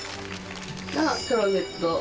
クローゼット。